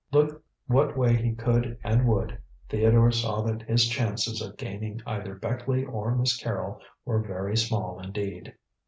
Look what way he could and would, Theodore saw that his chances of gaining either Beckleigh or Miss Carrol were very small indeed.